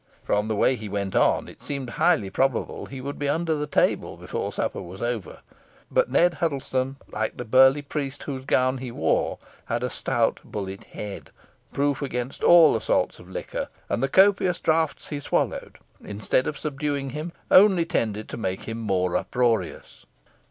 From the way he went on, it seemed highly probable he would be under the table before supper was over; but Ned Huddlestone, like the burly priest whose gown he wore, had a stout bullet head, proof against all assaults of liquor; and the copious draughts he swallowed, instead of subduing him, only tended to make him more uproarious.